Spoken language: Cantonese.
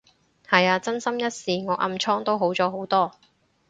係啊，真心一試，我暗瘡都好咗好多